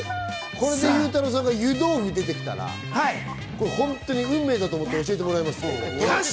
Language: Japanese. これでゆうたろうさんが湯豆腐、出てきたら本当に運命だと思って教えてもらえます。